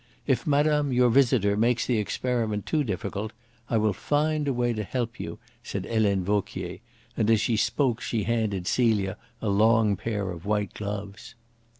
If madame, your visitor, makes the experiment too difficult, I will find a way to help you," said Helene Vauquier, and as she spoke she handed Celia a long pair of white gloves.